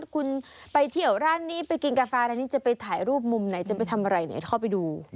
คุณไปเที่ยวร้านนี้ไปกินกาแฟร้านนี้จะไปถ่ายรูปมุมไหนจะไปทำอะไรไหนเข้าไปดู